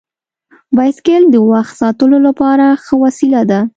بایسکل د وخت ساتلو لپاره ښه وسیله ده.